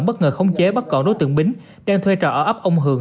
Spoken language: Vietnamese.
bất ngờ khống chế bắt còn đối tượng bính đang thuê trò ấp ông hường